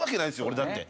俺だって。